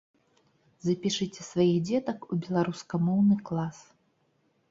Запішыце сваіх дзетак у беларускамоўны клас!